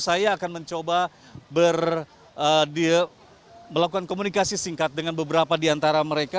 saya akan mencoba melakukan komunikasi singkat dengan beberapa di antara mereka